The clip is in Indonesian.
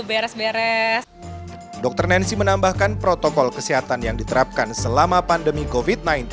beres beres dokter nancy menambahkan protokol kesehatan yang diterapkan selama pandemi kofit sembilan belas